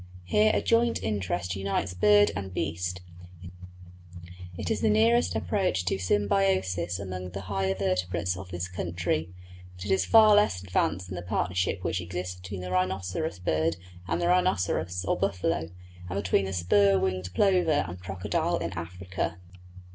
Here a joint interest unites bird and beast; it is the nearest approach to symbiosis among the higher vertebrates of this country, but is far less advanced than the partnership which exists between the rhinoceros bird and the rhinoceros or buffalo, and between the spur winged plover and crocodile in Africa.